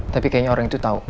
tapi kayaknya orang itu tahu